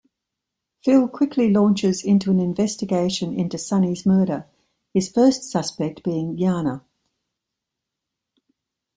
Phil quickly launches into an investigation into Sonny's murder, his first suspect being Jana.